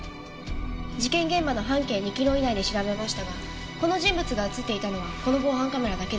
事件現場の半径２キロ以内で調べましたがこの人物が映っていたのはこの防犯カメラだけでした。